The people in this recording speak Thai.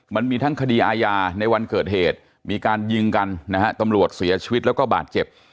มันมีทั้งคดีอาญาในวันเกิดเหตุมีการยิงกันนะฮะตำรวจเสียชีวิตแล้วก็บาดเจ็บ